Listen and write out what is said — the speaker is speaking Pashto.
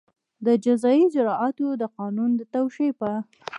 د جزایي اجراآتو د قانون د توشېح په